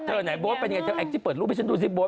เธอไหนโบ๊ทเปิดรูปให้ฉันดูสิโบ๊ท